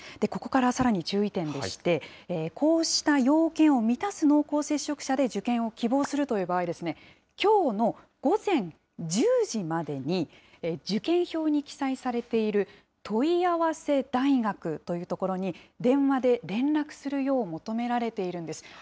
ここから、さらに注意点でして、こうした要件を満たす濃厚接触者で受験を希望するという場合、きょうの午前１０時までに、受験表に記載されている問い合わせ大学という所に電話で連絡するよう求められているんです。